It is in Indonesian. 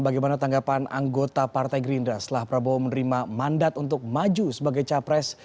bagaimana tanggapan anggota partai gerindra setelah prabowo menerima mandat untuk maju sebagai capres